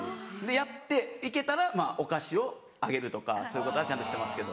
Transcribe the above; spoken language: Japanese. やって行けたらお菓子をあげるとかそういうことはちゃんとしてますけど。